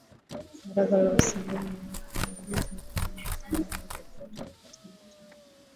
Baraza la usalama na ulinzi linalotawala limesema uamuzi huo ulitolewa katika mkutano